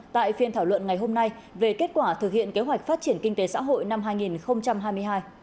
tại phiên thảo luận ngày hôm nay về kết quả thực hiện kế hoạch phát triển kinh tế xã hội năm hai nghìn hai mươi hai